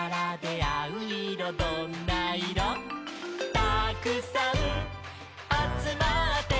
「たくさんあつまって」